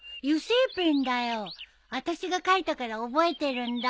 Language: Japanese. あたしが書いたから覚えてるんだ。